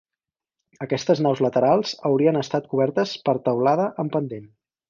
Aquestes naus laterals haurien estat cobertes per teulada en pendent.